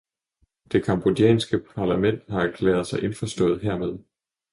Det cambodjanske parlament har erklæret sig indforstået hermed.